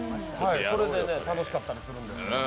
それで楽しかったりするんですよ。